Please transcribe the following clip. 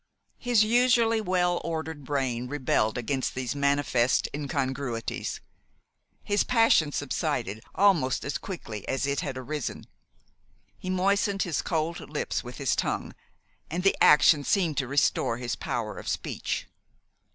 His usually well ordered brain rebelled against these manifest incongruities. His passion subsided almost as quickly as it had arisen. He moistened his cold lips with his tongue, and the action seemed to restore his power of speech.